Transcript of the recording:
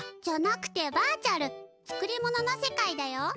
じゃなくてバーチャル作り物の世界だよ。